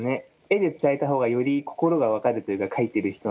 絵で伝えた方がより心が分かるというか描いてる人の。